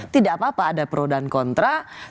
tidak apa apa ada pro dan kontra